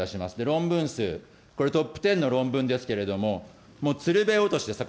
論文数、これＴｏｐ１０の論文ですけれども、つるべ落としですよね。